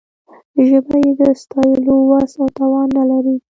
ژبه یې د ستایلو وس او توان نه لري.